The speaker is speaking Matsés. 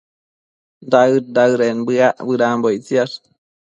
daëd-daëden bëac bedambo ictsiash